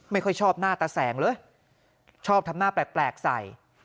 ไม่ค่อยชอบหน้าตาแสงเลยชอบทำหน้าแปลกใส่